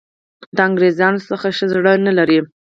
د انګرېزانو څخه ښه زړه نه لري.